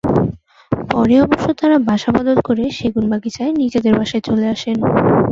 পরে অবশ্য তারা বাসা বদল করে সেগুনবাগিচায় নিজেদের বাসায় চলে আসেন।